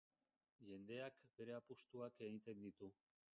Jendeak bere apustuak egiten ditu.